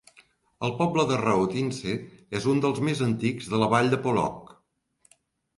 El poble de Raotince és un dels més antics de la vall de Polog.